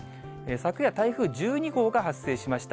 昨夜、台風１２号が発生しました。